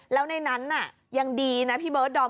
แล้วในนั้นน่ะยังดีนะพี่เบิร์ดดอม